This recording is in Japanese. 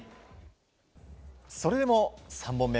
それでも３本目。